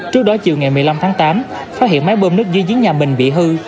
trước đó chiều ngày một mươi năm tháng tám phát hiện máy bơm nước dưới nhà mình bị hư